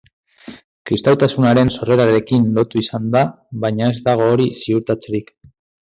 Kristautasunaren sorrerarekin lotu izan da, baina ez dago hori ziurtatzerik.